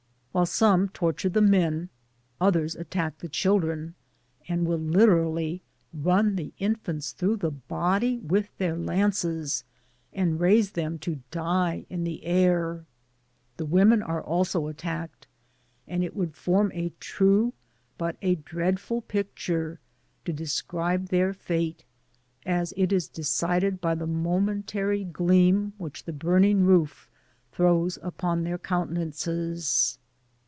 While some torture the men, others attack the children, and will literally run the infants through the body with their lances, and raise them to die in the air; The women are also attacked, and it would form a true but a dreadful picture to describe their fatej as it is decided by the momentary gleam which the burning roof throws upon their countenances.